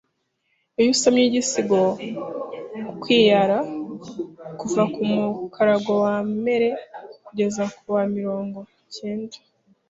Iyo usomye igisigo “Ukwiyara” kuva ku mukarago wa mere kugeza ku wa mirongo kenda